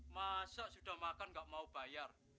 masa sudah makan enggak mau bayar